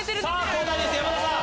交代です山田さん。